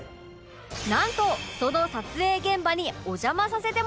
なんとその撮影現場にお邪魔させてもらいました